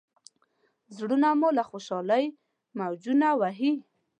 زړونه مو له خوشالۍ موجونه وهي.